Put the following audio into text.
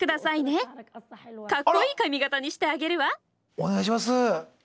お願いします。